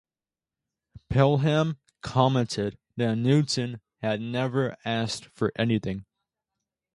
Pelham commented that Newton had never asked for anything.